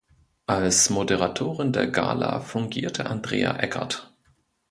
Als Moderatorin der Gala fungierte Andrea Eckert.